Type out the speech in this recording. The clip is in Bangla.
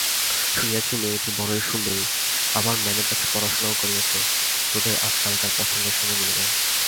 শুনিয়াছি মেয়েটি বড়ো সুন্দরী, আবার মেমের কাছে পড়াশুনাও করিয়াছে–তোদের আজকালকার পছন্দর সঙ্গে মিলিবে।